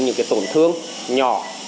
những tổn thương nhỏ